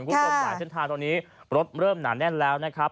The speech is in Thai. คุณผู้ชมหลายเส้นทางตอนนี้รถเริ่มหนาแน่นแล้วนะครับ